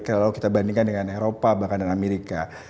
kalau kita bandingkan dengan eropa bahkan dan amerika